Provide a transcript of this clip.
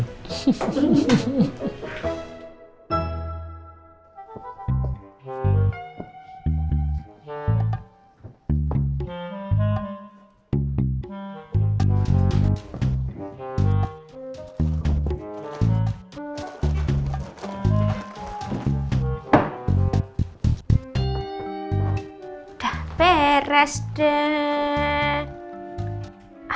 udah beres deh